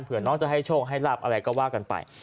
เพื่อน้องจะให้โชคให้ลาบอะไรก็ว่ากันไป